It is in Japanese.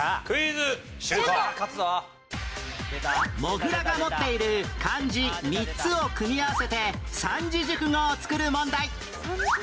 モグラが持っている漢字３つを組み合わせて三字熟語を作る問題